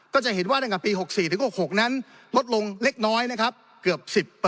ก็จะเห็นว่าในปี๖๔๖๖นั้นลดลงเล็กน้อยเกือบ๑๐